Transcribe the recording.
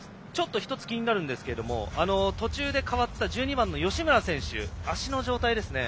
１つ気になるんですが途中で代わった１２番、吉村選手の足の状態。